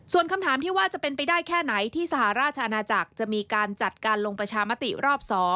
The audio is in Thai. ส่วนคำถามที่ว่าจะเป็นไปได้แค่ไหนที่สหราชอาณาจักรจะมีการจัดการลงประชามติรอบ๒